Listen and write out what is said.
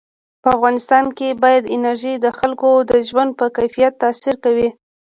په افغانستان کې بادي انرژي د خلکو د ژوند په کیفیت تاثیر کوي.